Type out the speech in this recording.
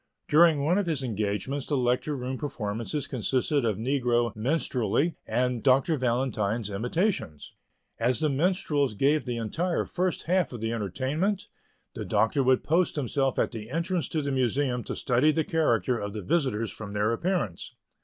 During one of his engagements the Lecture Room performances consisted of negro minstrelsy and Dr. Valentine's imitations. As the minstrels gave the entire first half of the entertainment, the Doctor would post himself at the entrance to the Museum to study the character of the visitors from their appearance.